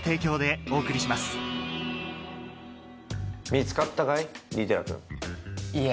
見つかったかい？